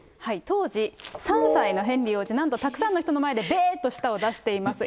当時、３歳のヘンリー王子、なんとたくさんの人の前で、べーっと舌を出しています。